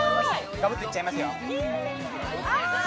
ガブッといっちゃいますよ。